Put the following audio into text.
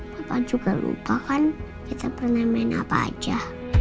papa juga lupa kan kita pernah main apa aja